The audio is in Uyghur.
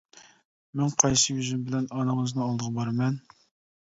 مەن قايسى يۈزۈم بىلەن ئانىڭىزنىڭ ئالدىغا بارىمەن.